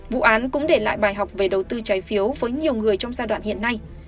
vụ án cũng để lại bài học về đầu tư trái phiếu với nhiều người trong giai đoạn hiện nay